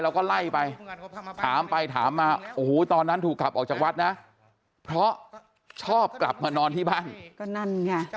แล้วก็ไล่ไปถามไปถามมาโอ้โหตอนนั้นถูกขับออกจากวัดนะเพราะชอบกลับมานอนที่บ้านก็นั่นไง